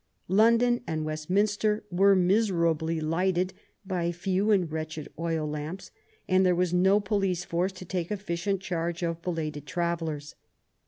London and West minster were miserably lighted by few and wretched oil lamps, and there was no police force to take efficient charge of belated travellers.